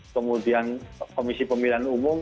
kemudian komisi pemilihan umum